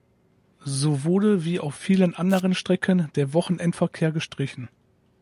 So wurde wie auf vielen anderen Strecken der Wochenendverkehr gestrichen.